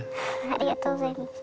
ありがとうございます。